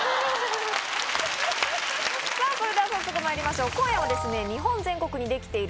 さぁそれでは早速まいりましょう今夜は。